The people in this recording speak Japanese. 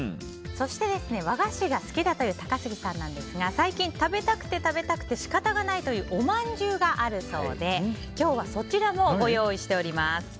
そして、和菓子が好きだという高杉さんなんですが最近食べたくて食べたくて仕方ないというおまんじゅうがあるそうで今日はそちらもご用意しております。